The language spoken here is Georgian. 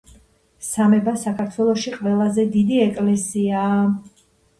სამება საქართველოში ყველაზე დიდი ეკლესიაა